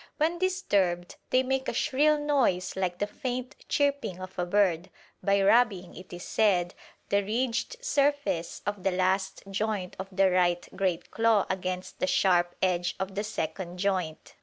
When disturbed they make a shrill noise like the faint chirping of a bird by rubbing, it is said, the ridged surface of the last joint of the right great claw against the sharp edge of the second joint.